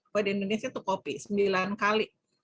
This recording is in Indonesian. tapi di indonesia tuh kopi sembilan kali